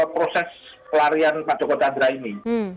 proses pelarian pak joko chandra ini